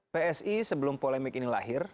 psi sebelum polemik ini lahir